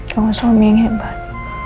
kamu suami yang hebat